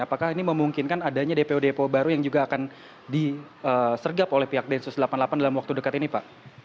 apakah ini memungkinkan adanya dpo dpo baru yang juga akan disergap oleh pihak densus delapan puluh delapan dalam waktu dekat ini pak